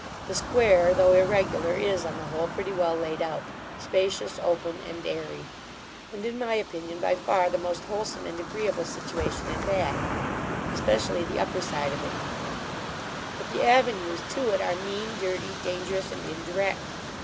The Square, though irregular, is, on the whole, pretty well laid out, spacious, open, and airy; and, in my opinion, by far the most wholesome and agreeable situation in Bath, especially the upper side of it; but the avenues to it are mean, dirty, dangerous, and indirect.